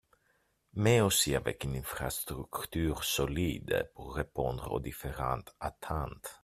Mais aussi avec une infrastructure solide pour répondre aux différentes attentes.